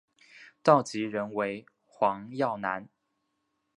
召集人为黄耀南。